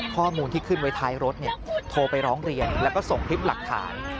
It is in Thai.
ข้อมูลที่ขึ้นไว้ท้ายรถโทรไปร้องเรียนแล้วก็ส่งคลิปหลักฐาน